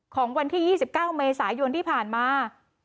ของวันที่๒๙เมษายนที่ผ่านมา